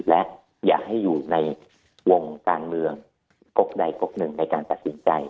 และอย่าให้อยู่ในวงการเมืองกกใดกกหนึ่งในการตัดสินใจ